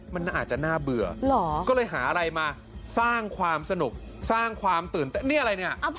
มันอาจจะน่าเบื่อก็เลยหาอะไรมาสร้างความสนุกสร้างความตื่นเต้นนี่อะไรเนี่ย